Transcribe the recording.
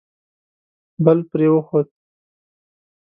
بل پرې وخوت.